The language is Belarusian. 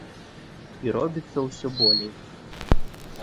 І робіцца ўсё болей.